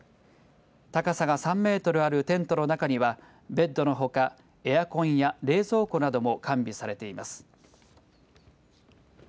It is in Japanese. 高さが３メートルあるテントの中にはベッドのほかエアコンや冷蔵庫なども完備されています。